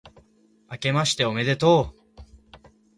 明けましておめでとう